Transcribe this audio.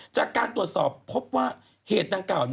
จากการตรวจสอบพบว่าเหตุดังกล่าว